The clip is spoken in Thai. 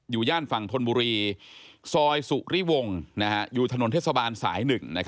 ย่านฝั่งธนบุรีซอยสุริวงศ์อยู่ถนนเทศบาลสาย๑